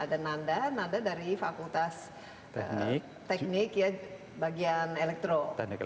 ada nanda nada dari fakultas teknik bagian elektro